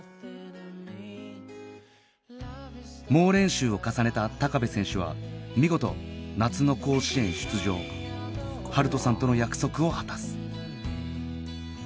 猛練習を重ねた部選手は見事夏の甲子園出場晴斗さんとの約束を果たす